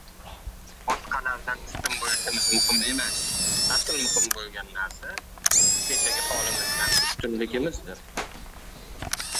• Boshqalardan ustun bo‘lishimiz muhim emas. Asl muhim bo‘lgan narsa, kechagi holimizdan ustunligimizdir.